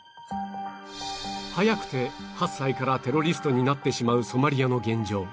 早くて８歳からテロリストになってしまうソマリアの現状